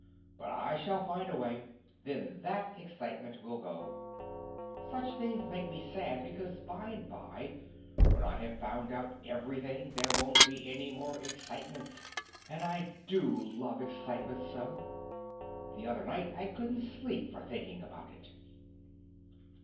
But I shall find a way then THAT excitement will go. Such things make me sad; because by and by when I have found out everything there won't be any more excitements, and I do love excitements so! The other night I couldn't sleep for thinking about it.